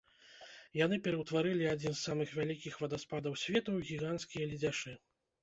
Яны пераўтварылі адзін з самых вялікіх вадаспадаў свету ў гіганцкія ледзяшы.